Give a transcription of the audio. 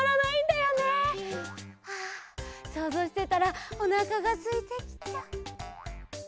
あそうぞうしてたらおなかがすいてきた。